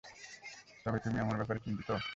তবে, তুমি আমার ব্যাপারে চিন্তিত?